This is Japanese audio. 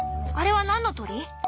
あれは何の鳥？